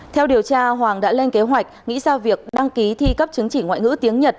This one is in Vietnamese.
theo điều tra hoàng đã lên kế hoạch nghĩ sao việc đăng ký thi cấp chứng chỉ ngoại ngữ tiếng nhật